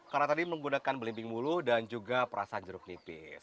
karena tadi menggunakan belimbing bulu dan juga perasaan jeruk nipis